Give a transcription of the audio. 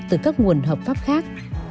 từ các nguồn hợp pháp khác